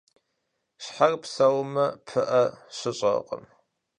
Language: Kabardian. Щхьэр псэумэ, пыӀэ щыщӀэркъым.